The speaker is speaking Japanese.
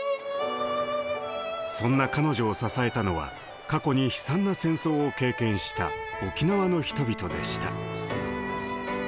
そんな彼女を支えたのは過去に悲惨な戦争を経験した沖縄の人々でした。